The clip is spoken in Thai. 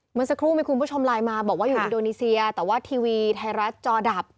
เมื่อสักครู่มีคุณผู้ชมไลน์มาบอกว่าอยู่อินโดนีเซียแต่ว่าทีวีไทยรัฐจอดับ